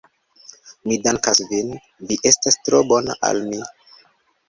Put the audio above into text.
Mi dankas vin, vi estas tro bona al mi.